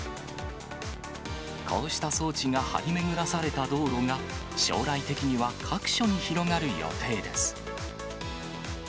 こうした装置が張り巡らされた道路が、将来的には各所に広がる予定です。